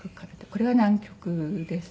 これは南極ですね。